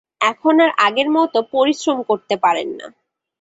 এখন আর আগের মতো পরিশ্রম করতে পারেন না।